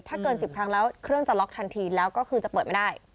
ถ้าเกิน๑๐ครั้งแล้วเครื่องจะล็อกทันทีแล้วก็คือจะเปิดไม่ได้